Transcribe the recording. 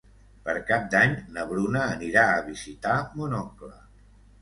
Per Cap d'Any na Bruna anirà a visitar mon oncle.